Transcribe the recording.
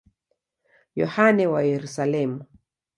Yohane wa Yerusalemu.